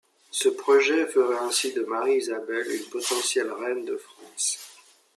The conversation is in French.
Ce projet ferait ainsi de Marie-Isabelle une potentielle reine de France.